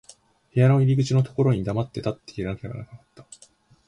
部屋の入口のところに黙って立っていなければならなかった。